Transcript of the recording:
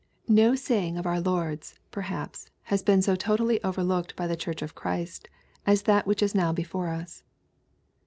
No saying of our Lord's, perhaps, has been so totally overlooked by the Church of Christ as that which is now before us.